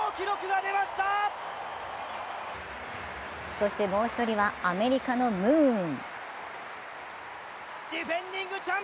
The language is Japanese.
そしてもう一人はアメリカのムーン。